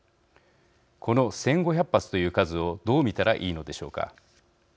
この１５００発という数をどう見たらいいのでしょうか。